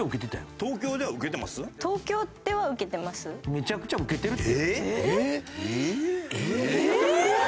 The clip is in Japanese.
めちゃくちゃウケてるって。